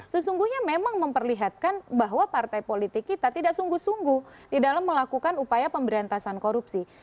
sesungguhnya memang memperlihatkan bahwa partai politik kita tidak sungguh sungguh di dalam melakukan upaya pemberantasan korupsi